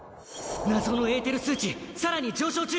謎のエーテル数値さらに上昇中！